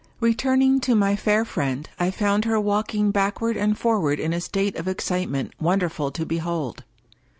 Returning to my fair friend, I found her walking back ward and forward in a state of excitement wonderful to behold.